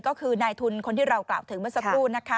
นี่ก็คือนายทุนคนที่เรากล่าวถึงเมื่อสัปดุล